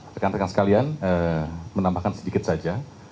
rekan rekan sekalian menambahkan sedikit saja